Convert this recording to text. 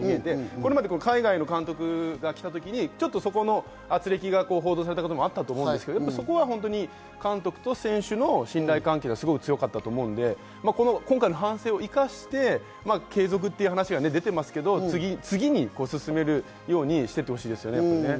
今回、よかった点で一つあるのは監督と選手の信頼関係がすごくあったように見えて、これまで海外の監督が来た時に、あつれきが報道されたこともあったと思うんですけど、そこは監督と選手の信頼関係がすごく強かったと思うので、今回の反省を生かして、継続という話が出てますけど、次に進めるようにしていってほしいですよね。